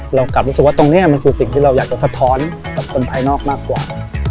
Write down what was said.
เรากลับรู้สึกว่าตรงนี้มันคือสิ่งที่เราอยากจะสะท้อนกับคนภายนอกมากกว่า